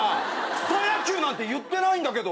草野球なんて言ってないんだけど。